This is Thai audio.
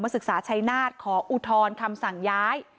มาศึกษาชายนาศขออุทรคำสั่งย้าย